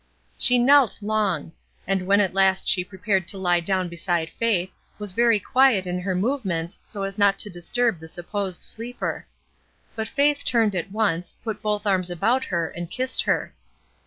She knelt long; and when at last she prepared to lie down beside Faith, was very quiet in her movements so as not to disturb the sup posed sleeper. But Faith turned at once, put both arms about her, and kissed her.